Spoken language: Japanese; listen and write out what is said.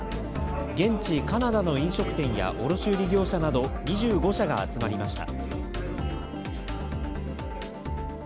現地、カナダの飲食店や卸売り業者など２５社が集まりました。